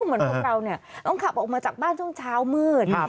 เหมือนพวกเราต้องขับออกมาจากบ้านช่วงเช้ามืด